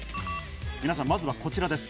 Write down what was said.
皆さん、まずはこちらです。